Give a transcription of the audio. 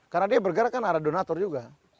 karena dia bergerak kan ada donator juga